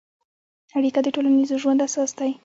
اړیکه د ټولنیز ژوند اساس دی.